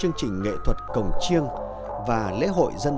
rất vô danh